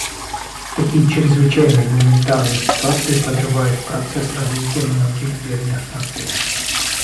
Такие чрезвычайные гуманитарные ситуации подрывают процесс развития многих бедных наций.